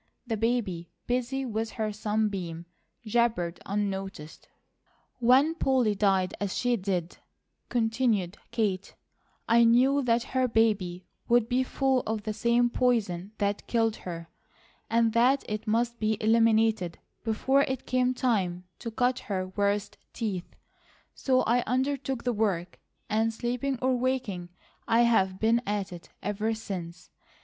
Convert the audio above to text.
The baby, busy with her sunbeam, jabbered unnoticed. "When Polly died as she did," continued Kate, "I knew that her baby would be full of the same poison that killed her; and that it must be eliminated before it came time to cut her worst teeth, so I undertook the work, and sleeping or waking, I have been at it ever since.